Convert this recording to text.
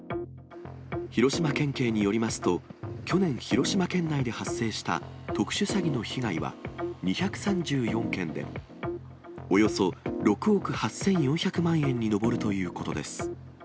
広島県警によりますと、去年、広島県内で発生した特殊詐欺の被害は、２３４件で、およそ６億８４００万円に上るということです。